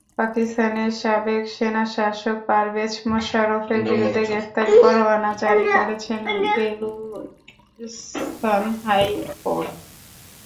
পাকিস্তানের সাবেক সেনাশাসক পারভেজ মোশাররফের বিরুদ্ধে গ্রেপ্তারি পরোয়ানা জারি করেছেন বেলুচিস্তান হাইকোর্ট।